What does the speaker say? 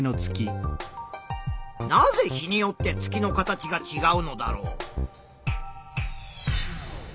なぜ日によって月の形がちがうのだろう？